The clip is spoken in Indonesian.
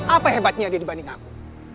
apa hebatnya dia dibanding aku